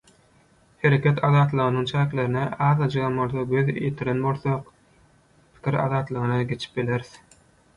Hereket azatlygynyň çäklerine azajygam bolsa göz ýetiren bolsak pikir azatlygyna geçip bileris.